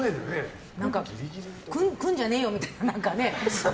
来るんじゃねえよみたいな何かね。